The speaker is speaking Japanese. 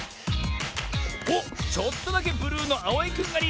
おっちょっとだけブルーのあおいくんがリード。